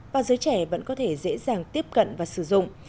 và giới trẻ vẫn có thể dễ dàng tiếp cận và sử dụng